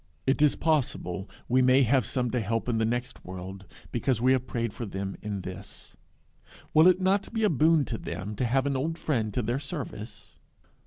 It is possible we may have some to help in the next world because we have prayed for them in this: will it not be a boon to them to have an old friend to their service?